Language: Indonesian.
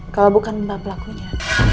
kalau bukan mbak pelakunya